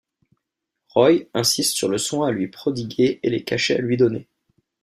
Roy insiste sur le soin à lui prodiguer et les cachets à lui donner.